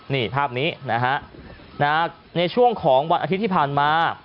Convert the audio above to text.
นี่ภาพนี้นะฮะในช่วงของวันอาทิตย์ที่ผ่านมา